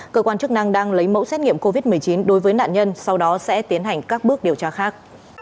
cơ quan chức năng đang lấy mẫu xét nghiệm covid một mươi chín đối với nạn nhân sau đó sẽ tiến hành các bước điều tra khác